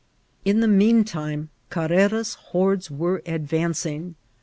In the mean time Carrera's hcnrdes were advancipg.